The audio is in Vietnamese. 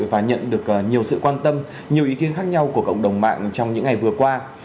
và nhận được nhiều sự quan tâm nhiều ý kiến khác nhau của cộng đồng mạng trong những ngày vừa qua